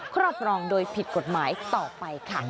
ครอบครองโดยผิดกฎหมายต่อไปค่ะ